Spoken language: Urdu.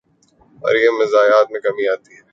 اورنہ مراعات میں کمی آتی ہے۔